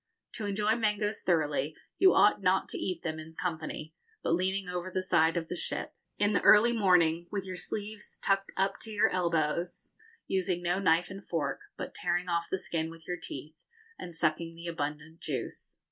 To enjoy mangoes thoroughly you ought not to eat them in company, but leaning over the side of the ship, in the early morning, with your sleeves tucked up to your elbows, using no knife and fork, but tearing off the skin with your teeth, and sucking the abundant juice.